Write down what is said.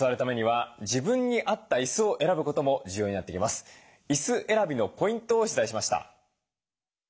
椅子選びのポイントを取材しました。